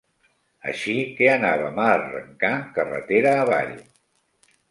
Així que anàvem a arrencar carretera avall